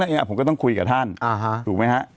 แล้วผมก็ต้องคุยกับท่านถูกมั้ยฮะ